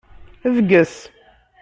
Bges.